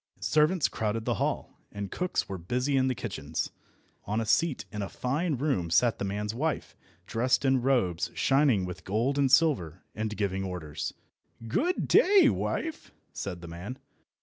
Servants crowded the hall, and cooks were busy in the kitchens. On a seat in a fine room sat the man's wife, dressed in robes shining with gold and silver, and giving orders. "Good day, wife!" said the man.